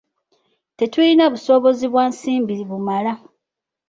Tetulina busobozi bwa nsimbi bumala.